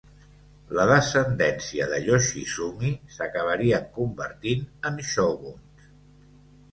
La descendència de Yoshizumi s'acabarien convertint en shoguns.